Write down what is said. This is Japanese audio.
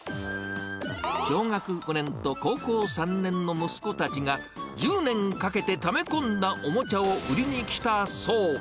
小学５年と高校３年の息子たちが、１０年かけてため込んだおもちゃを売りに来たそう。